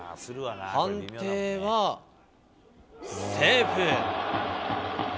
判定は、セーフ。